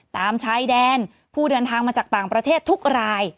ตามชายแดนผู้เดินทางมาจากต่างประเทศทุกราย